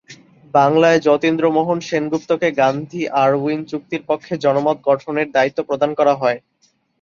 বাংলায় যতীন্দ্রমোহন সেনগুপ্তকে গান্ধী-আরউইন চুক্তির পক্ষে জনমত গঠনের দায়িত্ব প্রদান করা হয়।